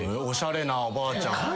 おしゃれなおばあちゃん。